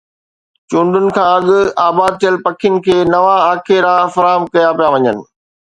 چونڊن کان اڳ آباد ٿيل پکين کي نوان آکيرا فراهم ڪيا پيا وڃن.